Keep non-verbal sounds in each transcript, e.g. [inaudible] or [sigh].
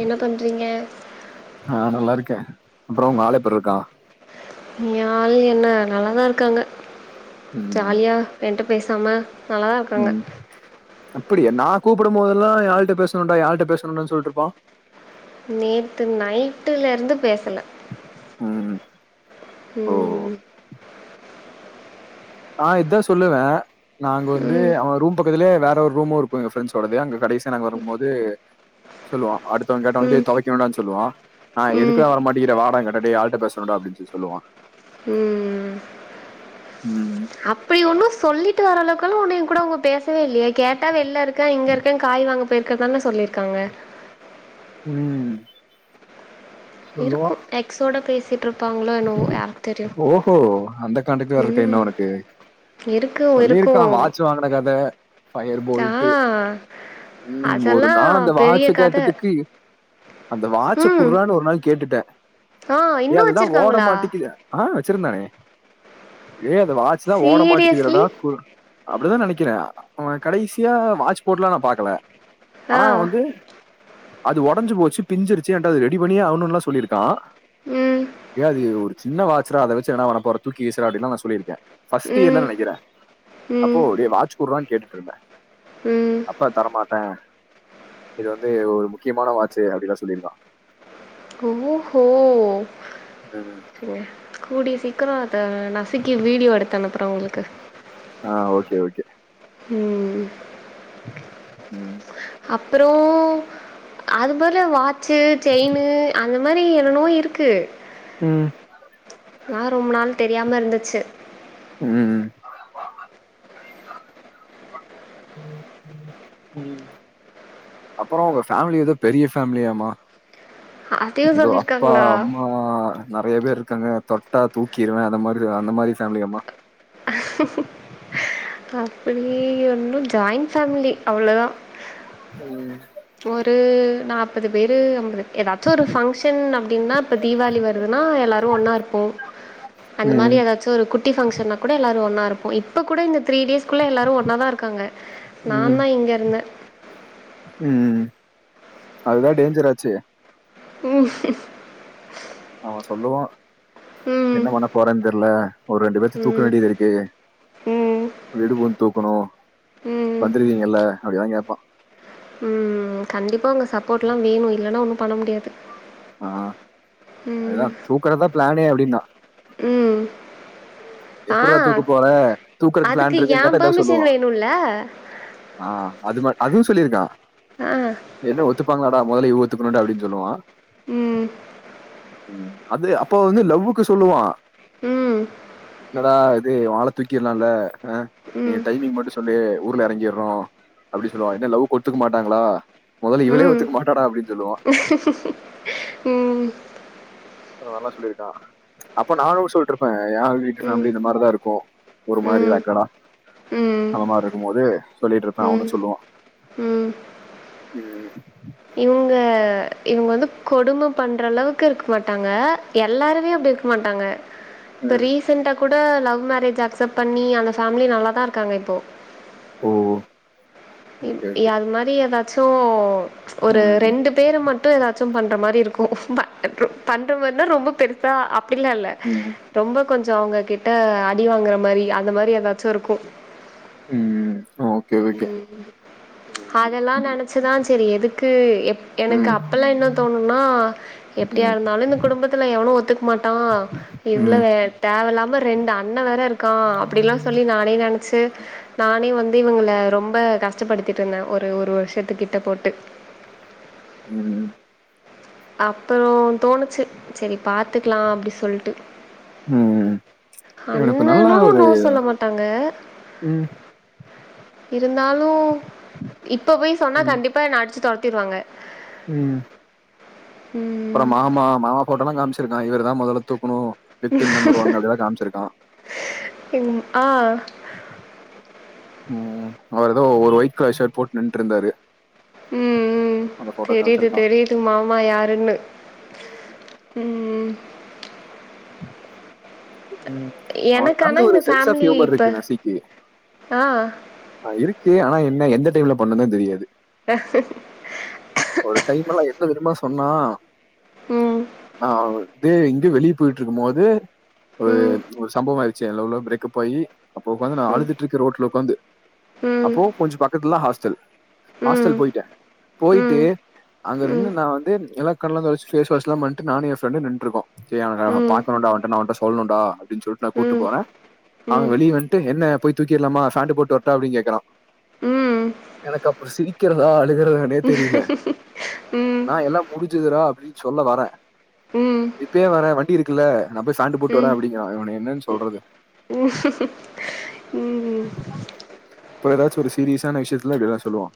என்ன பண்றீங்க ஆ நல்லா இருக்கே அப்பறோ உங்க ஆளு எப்பட்ருக்கா எ ஆளு என்ன நல்லாதா இருக்காங்க ம் ஜால்யா என்ட பேசாம ம் அப்டியா நா கூப்புடு போதெல்லா யா ஆள்ட பேசணுடா யா ஆள்ட பேசணுடா சொல்ட்டுருப்பா நேந்து நைட்டுல இருந்து பேசுல ம் ம் ம் ஆ இதா சொல்லுவே நாங்க வந்து ம் அவ ரூம் பக்கத்துலயெ வேற ஒரு ரூமுருக்கு எங்க ஃப்ரெண்ஸ்ஸோடது அங்க கடசியா நாங்க வரு போது சொல்லுவா அடுத்தவ கேட்டா வந்து ம் தொவைக்கிணுட சொல்லுவா நா ம் எதுக்குடா வர மாட்டங்கிற வாடானு கேட்டா டேய் எ ஆள்ட பேசணுடா அப்டின் சொல்லி சொல்லுவா ம் அப்டி ஒன்னு சொல்லிட்டு வர அளவுக்குல்லா ஒன்னு என்கூட அவுங்க பேசவே இல்லயே கேட்டா வெள்ல இருக் க்க இங்க இருக்கன் காய் வாங்க போய்ருக்க தாங்க சொல்லிருக்காங்க ம் இருக்கு சொல்லுவான் எக்ஸோட பேசி இ ட்டுருப்பாங்ளோ என்னவொ யாருக்கு தெரியு ஓஹோ அந்த கான்டாக்ட் வேற இருக்கா இன்னும் ம் உனக்கு இருக்கு இருக்கு சொல்லியிருக்கான் வாட்ச் வாங்கின கதை ஃபயர் ஆ போல்ட் ஒரு அதெல்லா நாள் அந்த பெரிய வாட்ச் கத கேட்டதுக்கு அந்த வாச்ச குடுறான்னு ஒரு நாள் கேட்டுட்ட ஆ ஏ இன்னு அதுதா ஓட வச்சிருக்காங்களா மாட்டேங்குது ஆ வச்சிருந்தானே ஏ அந்த வாச்சிதா ஓட சீரியஸ்லி மாட்டேக்குலடா கூ அப்டிதா நெனைக்கிற அவ கடைசியா வாட்ச் போட்ல்லா நா பாக்கல ஆ அனா வந்து அது உடஞ்சு போச்சு பிஞ்சிருச்சு எண்ட அது ரெடி பண்ணியே ஆவுணுல்லா சொல்லிருக்கா ம் ஏ அது ஒரு சின்ன வாச்டா அத வச்சு என்னடா பன்ன போற தூக்கிவிசுடா அப்டின்ல்லா நா சொல்லிருக்கே ஃபர்ஸ்ட் இயர்ல ம் நெனைக்கிற அப்போ ம் டேய் வாட்ச் கூடுறான்னு கேட்டுட்டு இருந்த ம் அப்ப தரமாட்ட இது வந்து ஒரு முக்கியமான வாச்சு அப்டின்லா சொல்லிருக்கா ஓஹோ ம் ம் கூடிய சீக்ரோ அத நசுக்கி வீடியோ எடுத்து அனுப்ற உங்ளுக்கு ஆ ஓகே ஓகே ம் ம் அப்றோ அதுபதிலா வாட்சு செயினு இந்த மாரி என்னோவோ இருக்கு ம் நா ரொம்ப நாள் தெரியாம இருந்துச்சு ம் அப்றோ உங்க ஃபேமிலி ஏதோ பெரிய ஃபேமிலியாமா அதையு ப்ரோ அப்பா சொல்லிருக்காங்களா அம்மா ஆ நெறைய பேர் இருக்காங்க தொட்டா தூக்கிருவ அந்த மாரி அந்த மாரி ஃபேமிலியாமா அப்டி ஒன்னு ஜாயிண்ட் ஃபேமிலி அவ்ளோதா ம் ஒரு நாப்பது பேரு அம்பது எதாச்சு ஒரு ஃபங்ஷன் அப்டின்னா இப்ப தீபாவளி வருதுன்னா எல்லாரு ஒன்னா இருப்போ அந்த ம் மாரி எதாச்சு ஒரு குட்டி ஃபங்ஷன்னா கூட எல்லோரு ஒன்னா இருப்போ இப்ப கூட இந்த தீரி டேஸ் குள்ள எல்லோரு ஒன்னாதா இருக்காங்க நா ம் தா இங்க இருந்த ம் அதுதா டேஞ்சராச்சே [unintelligible] அவன் சொல்லுவா ம் என்ன பண்ண போறேனு தெரில ஒரு ரெண்டு பேத்த தூக்க ம் வேண்டியதிருக்கு ம் வீடு பூந்து தூக்குணு ம் வந்துருவீங்கல்ல அப்டிலா கேப்பா ம் கண்டிப்பா ஒங்க சப்போர்ட்லா வேணு இல்லனா ஒண்ணு பண்ண முடியாது ஆ அதுதா ம் தூக்குறதா பிளானே அப்டின்னா ம் ஆ எப்புட்றா தூக்க போற தூக்குறதுக்கு பிளான் அதுக்கு ஏ இருக்குன்னு கேட்டா ஏதாவது சொல்லுவா பெர்மிஷன் வேணுல்ல ஆ அது ம அதுவு சொல்லியிருக்கா அ என்ன ஒத்துப்பாங்களாடா மொதல்ல இவ ஒத்துக்கணுடா அப்டினு சொல்லுவா ம் அது அப்ப வந்து லவ்வுக்கு சொல்லுவா ம் என்னடா இது ஒ ஆள தூக்கிலால அ நீ ம் டைமிங் மட்டு சொல் சொல்லி ஊர்ல எறங்கிடறோ அப்டி சொல்லுவா என்ன லவ்க்கு ஒத்துக்க மாட்டாங்ளா மொதல்ல இவளே ம் ஒத்துக்க மாட்டாடா அப்டின் சொல்லுவா [unintelligible] ம் அதலா சொல்லியிருக்கா அப்ப நானு சொல்லிட்டருப்பே ஏ வீட்டு ம் ஃபேமிலியு இந்த மாரிதா இருக்கு ஒரு மாரி ம் ரகடா ம் அந்த மாரிருக்குபோது சொல்ட்டுருப்பே ம் அவனு சொல்லு வா ம் ம் இவுங்க இவுங்க வந்து கொடும பண்றளவுக்கு இருக்க மாட்டாங்க எல்லாருமே அப்டி இருக்க மாட்டாங்க இப்ப ம், ரீசெண்டா கூட லவ் மேரேஜ் அக்செப்ட் பண்ணி அந்த ஃபேமிலி நல்லாதா இருக்காங்க இப்போ ம் அது மாரி எதாச்சு ஒரு ம் ரெண்டு பேரு மட் டு ஏதாச்சு பண்ற மாரி இருக்கு பண்ற மாரினா ரொம்ப பெருசா அப்டிலா இல்ல ம் ரொம்ப கொஞ்சொ அவுங்ககிட்ட அடி வாங்குற மாரி அந்த மாரி ஏதாச்சு இருக்கு ம் ம் ஓ ஓகே ஓகே ம் அதெல்லா நெனச்சுதா சரி எதுக்கு எ எனக்கு ம் அப்பலா என்ன தோணுனா எப்டியா ம் இருந்தாலு இந்த குடும்பத்துல எவனு ஒத்துக்க மாட்டா இதுல வே தேவல்லாம ரெண்டு அண்ண வேற இருக்கா அப்டிலா சொல்லி நானே நெனச்சு நானே வந்து இவுங்கள ரொம்ப கஷ்டப்படுத்திட்ருந்தே ஒரு ஒரு வருஷத்துக்கிட்ட போட்டு ம் அப்றோ தோணுச்சு சரி பாத்துக்லா அப்டி சொல்ட்டு ம் எனக்கு நல்ல அண்ணனு ஒரு நோ சொல்ல மாட்டாங்க ம் இருந்தாலு இப்ப போய் சொன்னா ம் கண்டிப்பா என்ன அடிச்சு தொரத்திருவாங்க ம் அப்றொ ம். மாமா மாமா ஃபோட்டொலா காமிச்சிருக்கா இவர தா மொதல்ல தூக்கணு விக்டிம் நம்பர் ஒன் அப்டில்லா காமிச்சிருக்கா ம் ஆ ம் அவரு ஏதோ ஒரு ஒய்ட் கலர் ஷர்ட் போட்டு நின்ட்டுருந்தாரு ம் ம் தெரிது காமிச்சிருக்கான் தெரிது மாமா யாருன்னு ம் ம் ம் அவன்ட எனக்கு ஆனா வந்து இந்த ஒரு சென்ஸ் ஆஃப் ஃபேமிலி இப்ப ஹியூமர்ருக்கு நசிக்கு ஆ. இருக்கு ஆனா என்ன எந்த டைம்ல பண்ணுனு தெரியாது ஆஹ ஒரு டைம்லலா என்ன தெரியுமா சொன்னா ம். ஆ தே இங்க வெளியே போயிட்டு இருக்கும் போது ஒரு ம். ஒரு சம்பவ ஆயிருச்சு எ லவ்ல பிரேக்கப் ஆயி அப்போ உக்காந்து நா ம். அழுதுட்டு இருக்கே ரோட்டுல உக்காந்து ம். அப்போ கொஞ்ச பக்கத்துலதா ஹாஸ்டல் ஹாஸ்டல் ம். போயிட்டே போயிட்டு ம். ம். அங்க இருந்து ம். நா வந்து எல்லா கண்ல்லா தொடச்டு ஃபேஸ் வாஷ்லா பண்ட்டு நானு எ ஃரெண்டு நின்ட்ருக்கோ சரி அவ ம். பாக்கணுடா அவன்ட நா அவன்ட்ட சொல்னுடா அப்டின்னு சொல்ட்டு நா கூட்டு ம். போறே அவ ம். ம். வெளிய வந்ட்டு என்ன போய் தூக்கிட்லாமா ஃபாண்டு போட்டு வர்ட்டா அப்டி கேக்குறா ம். ம். எனக்கு அப்போ சிரிக்கிறதா அழுகறதானே தெரியில நா ம். எல்லா முடிஞ்சுதுடா அப்டின்னு சொல்ல வரே ம். இப்பயே வரே வண்டி இருக்குல்ல நா போய் ஃபாண்டு போட் டு வரே அப்டிங்குறா இவன என்னன் சொல்றது ம் அப்புறோ ஏதாச்சு ஒரு சீரியஸான விஷயத்துல இப்டியெல்லா சொல்லுவா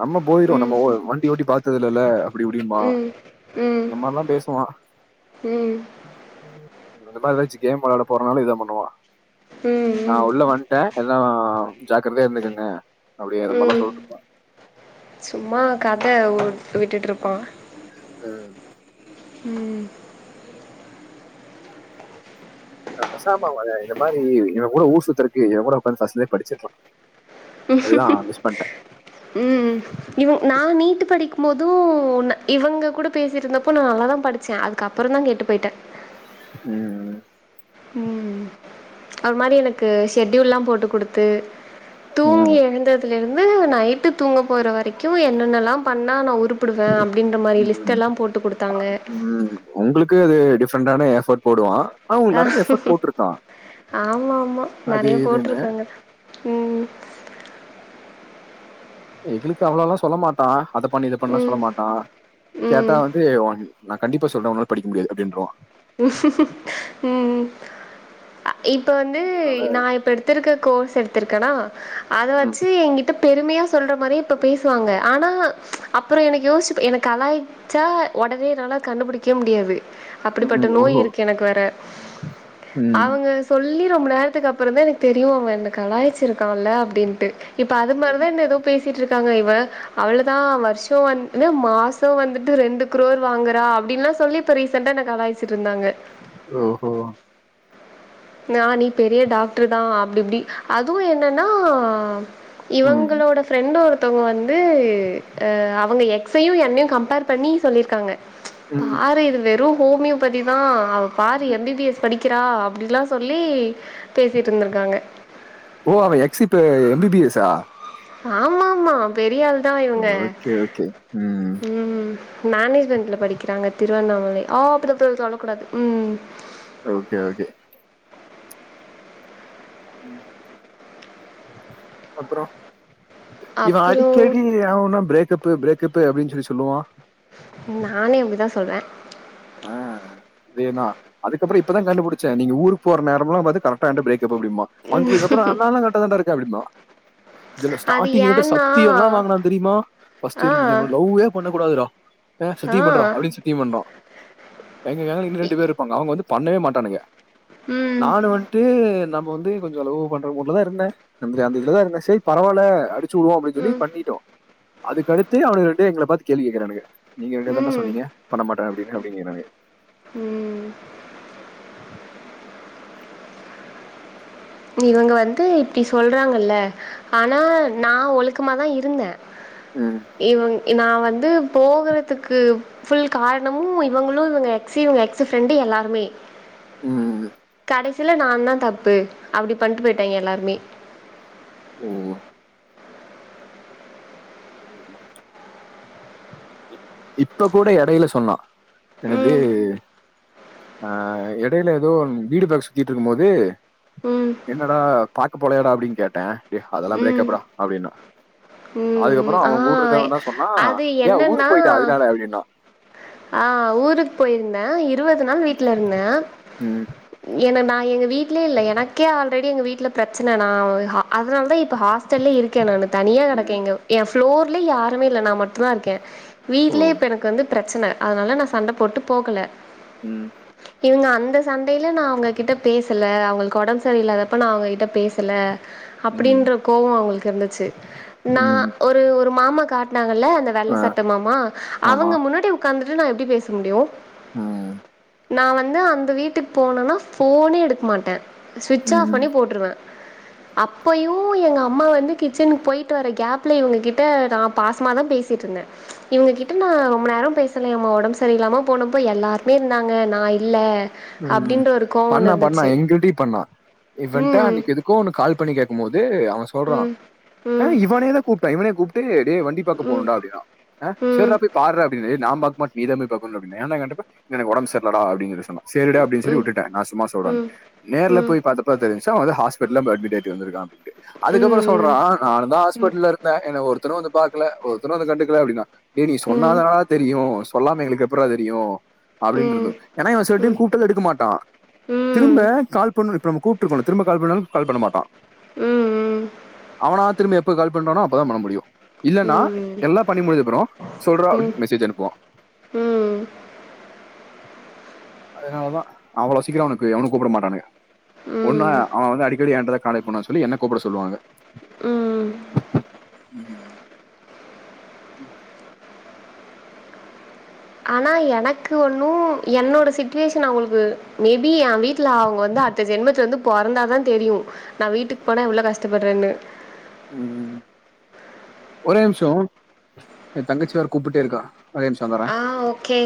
நம்ம போயிருவோ நம்ம ஒ வண்டி ஓட்டி பாத்ததுல்லல்ல அப்டி இப்டிம்ப்பா ம். ம். ம். இந்த மாரிலா பேசுவா ம். ம். நாங்கலா எதாச்சு கேம் வெளாட போறனாலு இதா பண்ணுவா நா ம். உள்ள வந்ட்டே எல்லா ஜாக்கிரதையா இருந்துக்குங்க அப்டி அந்த மாரில்லா ம் சொல்ட்டு சும்மா கத வு விட்டுட்ருப்பா அ ம் ஆ பெசாம அவங்க இந்த மாரி இவ கூட ஊர் சுத்துறக்கு இவ கூட உக்காந்து ஃபஸ்லே படிச்சுருக்லா அதுதா மிஸ் பண்ட்டே ம் இவ நா நீட்டு படிக்கும் போது ந இவங்க கூட பேசியிருந்தப்போ நா நல்லாதா படிச்சே அது அதுக்கப்பறம் தா கெட்டு போயிட்ட ம் ம் அவர் மாரி எனக்கு ஷெட்யூல்லா போட்டு குடுத்து தூங்கி உம் எழுந்தது ல இருந்து நைட்டு தூங்க போற வரைக்கு என்னென்னல்லா பண்ணா நா உரு ப்படுவே அப்டின்ற மாரி லிஸ்ட் உம் எல்லா போட்டு குடுத்தாங்க உம் உங்களுக்கு அது டிஃப்ரெண்டான எஃபர்ட் போடுவா ஆ ஆமா ஆமா அது நறைய இதுன்னு போட்டிருக்காங்க ம் எங்களுக்கு அவ்ளல்லா சொல்ல மாட்டா அத பண்ணி இத பண்ணுன்லா சொல்ல ம், மாட்டா கேட்டா ம். வந்து உன் நா கண்டிப்பா சொல்றே உன்னால படிக்க முடியாது அப்டின்றுவா ம் ம் இப்ப வந்து அதனால நா இப்ப எடுத் மத்து இருக்க கோர்ஸ் எடுத்திருக்கேனா அத உம், வெச்ச எயே கிட்ட பெருமையா சொல்ற மாரியே இப்ப பேசுவாங்க ஆனா அப்றோ எனக்கு யோசிச்சி எனக்கு அலாயவ் அடிச்சா ஒடனே என்னால கண்டுபுடிக்கவே முடியாது அப்படிப்பட்ட உம், நோய் ஓஹோ இருக்கு எனக்கு வேற உம், அவங்க சொல்லி ரொம்ப நேரத்துக்கு அப்றோந்தா எனக்கு தெரியு அவே என்ன கலாயிச்சி இருக்கான்ல அப்டின்ட்டு இப்ப அது மாரிதா என்ன ஏதோ பேசிட்டு இருக்காங்க இவ அவ்ளதா வருஷோ வந்து மாசோ வந்துட்டு ரெண்டு குரோர் வாங்குறா அப்டின்லா சொல்லி இப்ப ரீசன்டா என்ன கலாய்ச்சிட்டு இருந்தாங்க ஓஹோ நா நீ பெரிய டாக்டரு தா அப்டி இப்டி அதுவு என்னன்னா உம், இவங்களோட ஃப்ரெண்ட் ஒருத்தவங்க வந்து அ அவுங்க எக்ஸையு என்னையு கம்பேர் பண்ணி சொல்லி இருக்காங்க உம், பாரு இது வெறு ஹோமியோபதி தா அவ பாரு உம். எம் பி பி எஸ் படிக்கிறா அப்டில்லா சொல்லி பேசிட்டு இருந்திருக்காங்க ஓ அவே எக்ஸ் இப்ப எம் பி பி எஸ் ஸா ஆமா ஆமா பெரியாள் தா இவங்க ஓகே ஓகே ம் ம் மேனேஜ்மெண்ட்ல படிக்கிறாங்க திருவண்ணாமலை ம் ம் ஓகே ஓகே ம் அப்றோ இவே அப்புறம் அடிக்கடி ஆனா ஊனா பிரேக்கப்பு பிரேக்கப்பு அப்டின்னு சொல்லி சொல்லுவா நானே அப்டிதா சொல்லுவே ஆ அதேதா அதுக்கப்றோ இப்ப கண்டுபுடிச்ச நீங்க ஊர்க் போற நோரம்லா பாத்து கரெட்டா என்ட பிரேக்கப்பு அப்டிம்மா வந்தது அப்றோ அந்த எல்லா கரெட்டா தண்டா இருக்கு அப்டிம்பா இதுல அது ஸ்டார்ட்டிங் எங்கிட்ட ஏன்னா சத்தியோ எல்லா வாங்னா தெரியுமா ஃபர்ஸ்ட் ஆ இந்த ஜென்மத்ல ல்வே பண்ண கூடாதுடா அ ஆ சத்தியம் பண்ற அப்டின் சத்தியம் பண்றா எங்க கேங் இன்னு ரெண்டு பேர் இருப்பாங்க அவூங்க வந்து பண்ணவே மாட்டானுக ம் நானு வன்ட்டு நம்ப வந்து கொஞ்சோ லவ்வு பண்ற மூட்ல தா இருந்த அந்த அந்த இருதுலதா இருந்த சேரி பரவால்ல அடிச்சி உடுவோ அப்டி சொல்லி ம் பண்ணிட்டோ அதுக்கடுத்து அவனுக ரெண்டு பேர் எங்கள பாத்து கேள்வி கேக்குறானுக நீங்க ரெண்டு பேரு தாண்டா ம் சொன்னீங்க பண்ண மாட்டே அப்டின்னு அப்டிங்குறாங்க ம் இவுங்க வந்து இப்டி சொல்றாங்கல்ல ஆனா நா ஒழுக்கமா தா இருந்த ம் இவங் நா வந்து போகறதுக்கு ஃபுல் காரணமு இவங்களு இவங்க எக்ஸு இவங்க எக்ஸு ஃப்ரெண்டு எல்லாருமே ம் கடைசில நா தா தப்பு அப்டி பண்ணிட்டு போயிட்டாய்ங்க எல்லாருமே ஓ [unintelligible] இப்ப கூட எடையில சொன்னா எனது ம் அ எடையில ஏதோ வீடு பாக்க சுத்திட்டு இருக்கு போது ம் என்னடா பாட் போலயாடா அப்டின்னு கேட்டேன் அதெல்லா ம் பிரேக் அப் டா அப்டின்னா ம் ம் அதுக்கப்பறோ ஆ அவங் கூட இருக்கறவெந்தா சொன்னா அது ஏ ஊருக்கு போயிட்டா அதுனால அப்டின்னா அ ஊருக்கு போயிருந்தே இருவது நாள் வீட்ல இருந்தே ம், என்ன நா எங்க வீட்லயே இல்ல எனக்கே ஆல்ரெடி எங்க வீட்ல பிரச்சன நா அதுனால தா இப்ப ஹாஸ் தள்ளி இருக்க நானு தனியா ம், கெடக்கேன்ங்க எம் ப்ளோர்லயே யாருமே இல்ல நா மட்டுந்தா இருக்கே ஓ வீட்லே இப்ப எனக்கு வந்து பிரச்சனை அதுனால நா சண்டை போட்டு போகல ம் இவங்க அந்த சண்டைல நா அவங்ககிட்ட பேசல அவங்களுக்கு ஒடம்பு சரி இல்லாதப்ப நா அவுங்ககிட்ட பேச துல ம், அப்டின்ற கோவோ அவங்களுக்கு இருந்துச்சு நா ம், ஒரு ஒரு மாமா காட் நாங்கல்ல அந்த வெள்ள ஆ, சட்ட மாமா ஆமா அவங்க முன்னாடி ஒக்காந்துட்டு நா எப்டி பேச முடியு ம் நா வந்து அந்த வீட்டுக்கு போனுன்னா ஃபோனே எடுக் மாட்டே சுவிட்ச் ஆஃப் ம், பண்ணி போட்டுருவே அப்பயும் எங்க அம்மா வந்து கிச்சனுக்கு போயிட்டு வர கேப்ல இவங்ககிட்ட நா பாசமா தா பேசிட்டு இருந்தே இவங்கிட்ட கட்டுனு ரொம்ப நேரம் பேசலம்மா ஒடம்பு சரியில்லாம போனப்போ எல்லாருமே இருந்தாங்க நா இல்ல ம் அப்டின்ற ஒரு கோவோ ஒன்னு பண்ணா பண்ணா இருந்துச்சு எங்கிட்டயு பண்ணா இவன்ட்ட ம் அன்னைக்கு எதுக் எதுக்கோ கால் பண்ணி கேக்கு போது அவன் சொல்றா ம் அ ம் இவனே தா கூப்புட்டா இவனே கூப்புட்டு டே வண்டி [unintelligible] ம் போணுண்டா அப்டினா அ ம் ம் சரிடா போய் பாரு அப்டினு நா பாக்க மாட் நீதா போயி பாக்குனு என்டா கேட்டப்ப எனக்கு ஒடம்பு சர்லடா அப்டினு சொன்னா சரிடா அப்டின் சொல்லி ம் உட்டுட்டே நா சும்மா சொல்றேன் ம் ம் ம் நேர்ல ம் போய் பாத்தப் தெரிஞ்சுச்சா அவே ஹாஸ்பெடல் போயிட்டு அட்மிட் ஆயிட்டு வந்துருக்கா அப்டின்டு ம் அதுக்கப்புற ம் சொல்றா நானு தா ஹாஸ்பெட்டல இரு என்ன ஒருத்தரு வந்து பாக்கல ஒருத்தரு வந்து கண்டுகல அப்டின்னா நீ ம் சொன்னாதா தெரியு சொல்லாம எங்களுக்கு எப்றா தெரியு அப்டினு இருந்த ம் ஏன்னா இவ செல டைம் [unintelligible] எடுக்க மாட்டா திரும்ப கால் பண்ண நம்ம கூப்டுருக்கோல்ல திரும்ப கால் பண்ணாலு கால் பண்ண மாட்டா ம் அவனா திரும்பி எப்ப கால் பண்றானோ அப்பதா பண்ண முடியு இல்லன்னா ம் ம் எல்லா பண்ணி முடிஞ்ச அப்றோ சொல்றா ம் அப்டின்னு மெசேஜ் அனுப்புவா ம் அதனாலதா அவ்ளோ சீக்கிர அவனுக்கு எவனு கூப்ட மாட்டானுக ஒன்னா ம் அவன வந்து அடிக்கடி என்ட்டதா காலை பண்ணதா சொல்லி என்ன கூப்ட சொல்லுவாங்க ம் [inaudible] ஆனா எனக்கு ஒண்ணு என்னோட சிட்டிவேஷன் அவங்களுக்கு மேபி என் வீட்டுல அவங்க வந்து அ இந்த ஜென்மத்துல வந்து பொறந்தாதா தெரியு நா வீட்டுக்கு போனா எவ்ளோ கஷ்டபட்றேனு ம் ஒரே நிமிஷோ என் தங்கச்சி வேற கூப்பிட்டுட்டே இருக்கா ஒரே நிமிஷ அ ஓகே